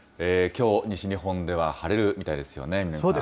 きょう、西日本では晴れるみたいですよね、南さん。